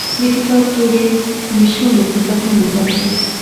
د کتاب توري یې د شونډو پر زخمونو باندې